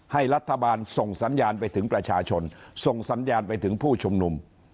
ให้รัฐบาลส่งสัญญาณไปถึงประชาชนส่งสัญญาณไปถึงผู้ชุมนุม